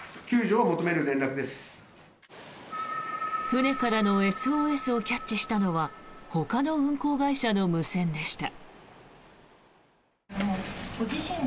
船からのＳＯＳをキャッチしたのはほかの運航会社の無線でした。